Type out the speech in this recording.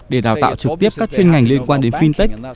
để đào tạo trực tiếp các chuyên ngành liên quan đến fintech